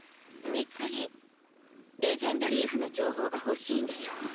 「レジェンドリーフ」の情報が欲しいんでしょう？